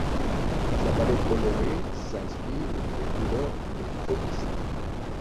Sa palette colorée s'inspire des couleurs des fauvistes.